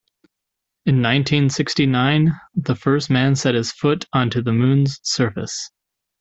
In nineteen-sixty-nine the first man set his foot onto the moon's surface.